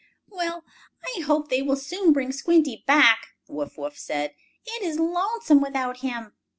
"Well, I hope they will soon bring Squinty back," Wuff Wuff said. "It is lonesome without him."